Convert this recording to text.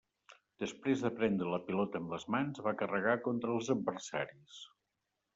Després de prendre la pilota amb les mans, va carregar contra els adversaris.